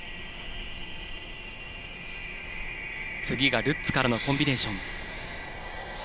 次がルッツからのコンビネーション。